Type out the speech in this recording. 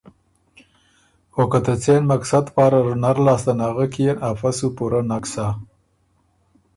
او که ته څېن مقصد پاره ر نر لاسته نغک يېن افۀ سو پُورۀ نک سۀ۔